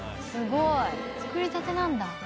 すごい。作りたてなんだ。